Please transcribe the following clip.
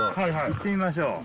行ってみましょうか。